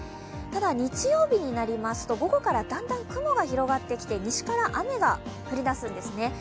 ただ、日曜日になりますと午後からだんだん雲が広がってきて、西から雨が降りだすんですね。